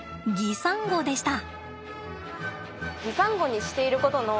擬サンゴでした。